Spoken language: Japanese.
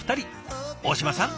大島さん